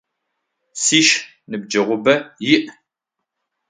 Сшы ныбджэгъубэ иӏ.